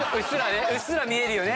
うっすら見えるよね。